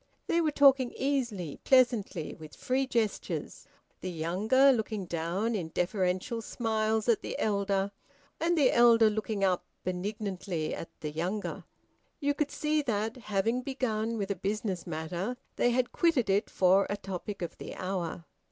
They were talking easily, pleasantly, with free gestures, the younger looking down in deferential smiles at the elder, and the elder looking up benignantly at the younger. You could see that, having begun with a business matter, they had quitted it for a topic of the hour.